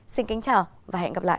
xin kính chào và hẹn gặp lại